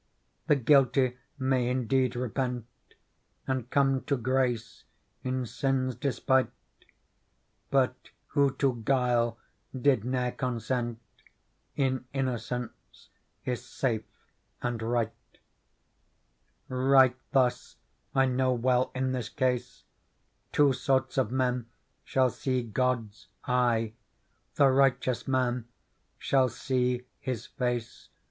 The guilty may indeed repent, And come to grace in sin's despite ; But who to guile did ne'er consent In innocence is safe andT right. " Right thus I know well in this case Two sorts of men shall see God's eye ; The righteous. jnan shall see His face.